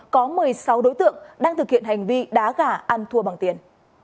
có một mươi sáu đối tượng đang thực hiện hành vi đá gà ăn thua bằng tiền